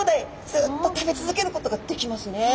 ずっと食べ続けることができますね。